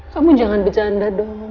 kamu jangan bercanda dong